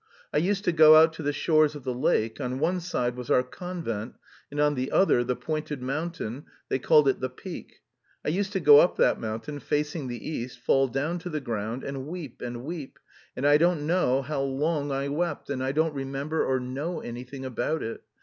I used to go out to the shores of the lake; on one side was our convent and on the other the pointed mountain, they called it the Peak. I used to go up that mountain, facing the east, fall down to the ground, and weep and weep, and I don't know how long I wept, and I don't remember or know anything about it.